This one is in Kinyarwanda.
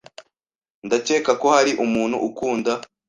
Ndakeka ko hari umuntu ukunda .